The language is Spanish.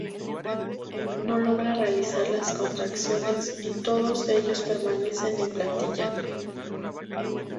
No logra realizar las transacciones y todos ellos permanecen en plantilla.